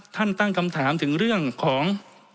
ตั้งคำถามถึงเรื่องของ